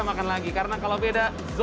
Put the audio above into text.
harus kita samakan lagi karena kalau beda zow